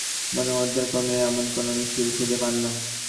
কিন্তু অবরোধ চলাকালে গণমাধ্যমের কর্মীরা এমন কোনো মিছিল খুঁজে পান না।